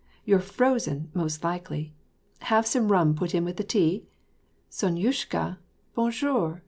" You're frozen, most likely! have sotne rum put in with the tea? Sonyushka, bon jour ?